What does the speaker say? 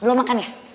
belum makan ya